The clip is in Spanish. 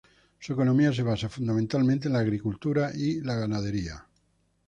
Su economía se basa fundamentalmente en la agricultura y la ganadería.